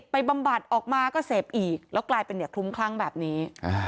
บำบัดออกมาก็เสพอีกแล้วกลายเป็นเนี่ยคลุ้มคลั่งแบบนี้